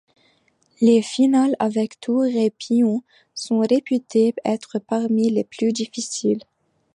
Les finales avec tours et pions sont réputées être parmi les plus difficiles.